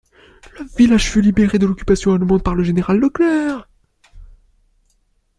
Le village fut libéré de l'occupation allemande par le général Leclerc.